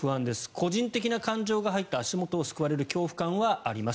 個人的な感情が入って足元をすくわれる恐怖感はあります。